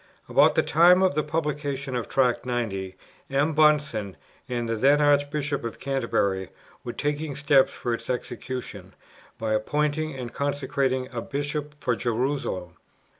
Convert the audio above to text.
About the time of the publication of Tract 90, M. Bunsen and the then Archbishop of Canterbury were taking steps for its execution, by appointing and consecrating a Bishop for Jerusalem.